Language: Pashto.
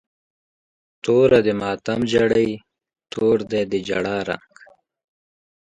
توره د ماتم جړۍ، تور دی د جړا رنګ